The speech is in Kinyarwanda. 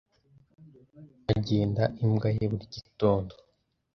agenda imbwa ye buri gitondo.